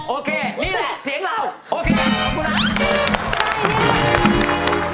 โอเคขอบคุณนะ